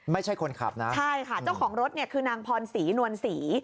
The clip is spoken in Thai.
ไม่ใช่คนขับนะใช่ค่ะเจ้าของรถคือนางพรศรีนวลศรี